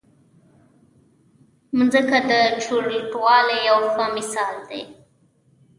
مځکه د چورلټوالي یو ښه مثال دی.